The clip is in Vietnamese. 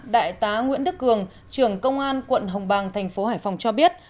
đại tá nguyễn đức cường trưởng công an quận hồng bàng thành phố hải phòng cho biết